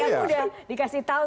aku udah di kasih tau